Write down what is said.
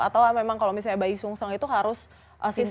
atau memang kalau misalnya bayi tsumksang itu harus agencies gitu